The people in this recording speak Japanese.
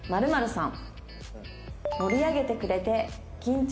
○○さん」